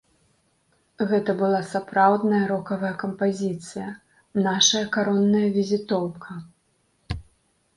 Гэта была сапраўдная рокавая кампазіцыя, нашая каронная візітоўка.